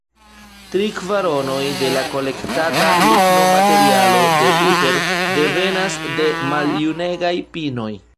Tri kvaronoj de la kolektata lignomaterialo de Utter devenas de maljunegaj pinoj.